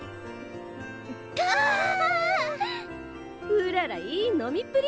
うららいい飲みっぷり！